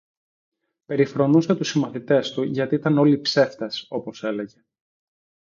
περιφρονούσε τους συμμαθητές του γιατί ήταν όλοι ψεύτες, όπως έλεγε,